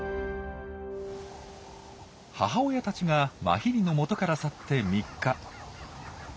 母親たちがマヒリのもとから去って３日。